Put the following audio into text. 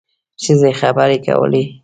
ښځې خبرې کولې.